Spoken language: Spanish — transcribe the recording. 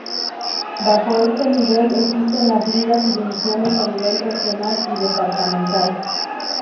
Bajo este nivel, existen las ligas y divisiones a nivel regional y departamental.